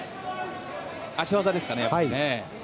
足技ですかね。